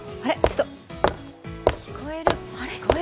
ちょっと聞こえる！